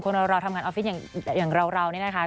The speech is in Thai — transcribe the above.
เราทำงานออฟฟิศอย่างเรานี่นะคะ